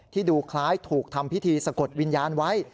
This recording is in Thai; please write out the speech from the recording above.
ดูคล้ายถูกทำพิธีสะกดวิญญาณไว้